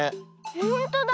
ほんとだ。